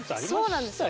そうなんですよ。